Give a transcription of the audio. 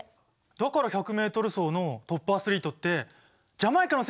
だから１００ｍ走のトップアスリートってジャマイカの選手が多いのか！